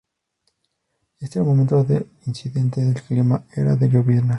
En el momento del incidente el clima era de llovizna.